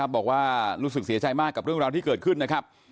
บอกว่ารู้สึกเสียใจมากกับเรื่องราวที่เกิดขึ้นนะครับ